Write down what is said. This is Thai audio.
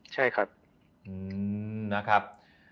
ใช่ครับ